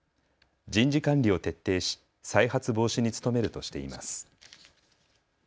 人事管理を徹底し、再発防止に努めるとしています。